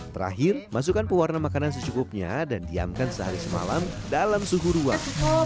terakhir masukkan pewarna makanan secukupnya dan diamkan sehari semalam dalam suhu ruang